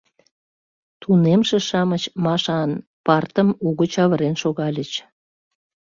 Тунемше-шамыч Машан партым угыч авырен шогальыч.